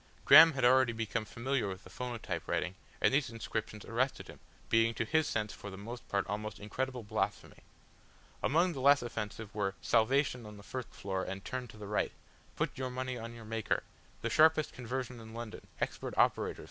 Graham had already become familiar with the phonotype writing and these inscriptions arrested him, being to his sense for the most part almost incredible blasphemy. Among the less offensive were "Salvation on the First Floor and turn to the Right." "Put your Money on your Maker." "The Sharpest Conversion in London, Expert Operators!